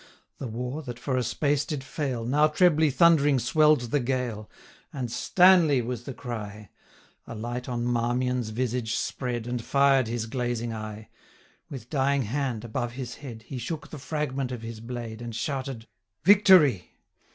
The war, that for a space did fail, Now trebly thundering swell'd the gale, And STANLEY! was the cry; 985 A light on Marmion's visage spread, And fired his glazing eye: With dying hand, above his head, He shook the fragment of his blade, And shouted 'Victory!